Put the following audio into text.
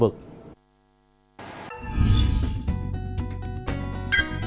lúc nh nausea